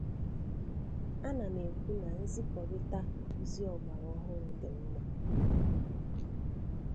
ana m ekwu na nzikọrịta ozi ọgbara ọhụrụ dị mma.